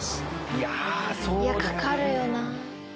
いやかかるよなあ。